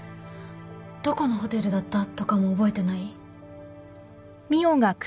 どこのホテルだったとかも覚えてない？